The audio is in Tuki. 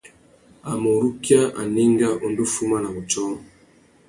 A mà urukia anénga, u ndú fuma na wutiō.